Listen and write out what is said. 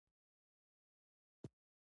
ولایتونه د ځمکې د جوړښت یوه نښه ده.